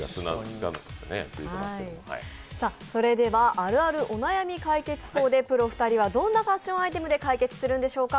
あるあるお悩み解決コーデプロ２人はどんなファッションアイテムで解決するんでしょうか。